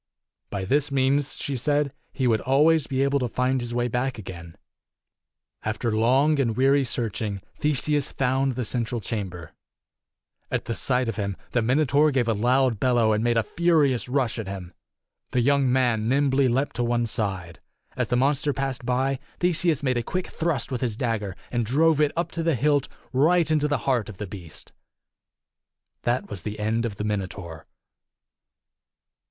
By this means, she said, he would always be able to find his way . back again. After long and weary searching, Theseus found the central chamber. At sight of him, the Minotaur gave a loud bellow and made a furious rush at him. The young man nimbly 276 leaped to one side. As the monster passed by, Theseus made a quick thrust with his dagger, and drove it up to the hilt right into the heart of the beast. That was the end of the Minotaur.